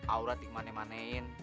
aura tik mane manein